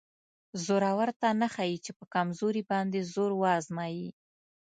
زورور ته نه ښایي چې په کمزوري باندې زور وازمایي.